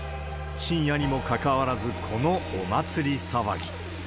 深夜にもかかわらずこのお祭り騒ぎ。